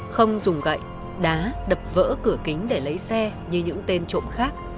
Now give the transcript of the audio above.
không dùng gậy đá đập vỡ cửa kính để lấy xe như những tên trộm khác